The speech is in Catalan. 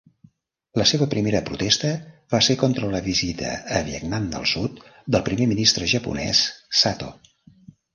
La seva primera protesta va ser contra la visita a Vietnam del Sud del primer ministre japonès Sato.